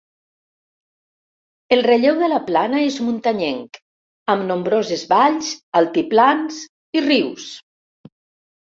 El relleu de la plana és muntanyenc, amb nombroses valls, altiplans i rius.